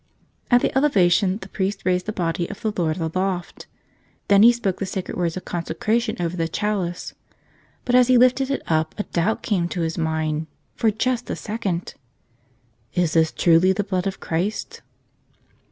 At the Elevation the priest raised the Body of the Lord aloft. Then he spoke the sacred words of consecra¬ tion over the chalice. But as he lifted it up a doubt came to his mind — for just a second! "Is this truly the Blood of Christ?"